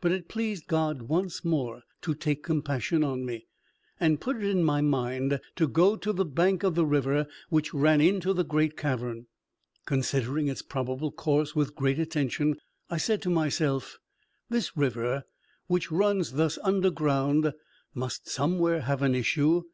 But it pleased God once more to take compassion on me, and put it in my mind to go to the bank of the river which ran into the great cavern. Considering its probable course with great attention, I said to myself, "This river, which runs thus underground, must somewhere have an issue.